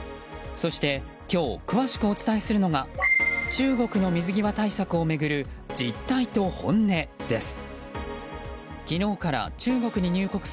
そして今日、詳しくお伝えするのが中国の水際対策を巡る実態と本音です。